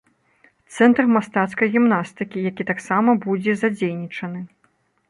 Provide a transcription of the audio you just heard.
Цэнтр мастацкай гімнастыкі, які таксама будзе задзейнічаны.